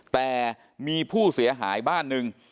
แต่มีผู้เสียหายบ้านหนึ่ง